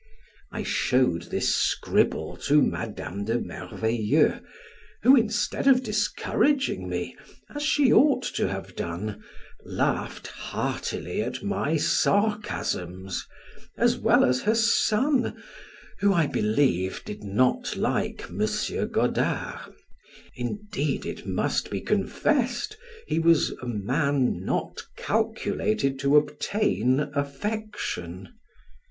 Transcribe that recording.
I showed this scribble to Madam de Merveilleux, who, instead of discouraging me, as she ought to have done, laughed heartily at my sarcasms, as well as her son, who, I believe, did not like M. Godard; indeed, it must be confessed, he was a man not calculated to obtain affection.